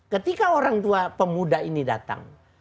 ketika orang tua pemuda ini datang